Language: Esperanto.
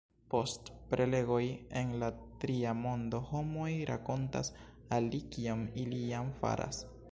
Post prelegoj en la Tria Mondo homoj rakontas al li kion ili jam faras!